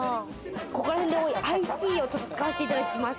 ここら辺でＩＴを使わせていただきます。